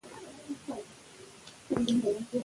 سیاسي پرېکړې د احساس پر ځای عقل غواړي